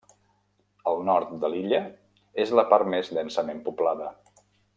El nord de l'illa és la part més densament poblada.